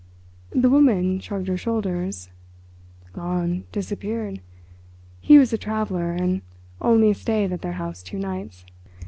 The woman shrugged her shoulders. "Gone—disappeared. He was a traveller, and only stayed at their house two nights.